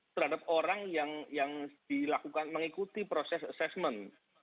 terhadap orang yang dilakukan mengikuti proses assessment